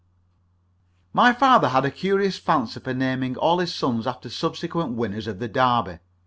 My father had a curious fancy for naming all his sons after subsequent winners of the Derby.